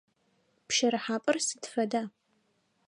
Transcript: Пщэрыхьапӏэр сыд фэда?